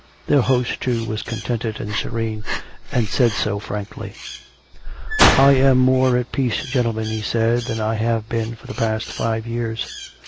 Their host, too, was contented and serene, and said so, frankly. " I am more at peace, gentlemen," he said, " than I have been for the past five years.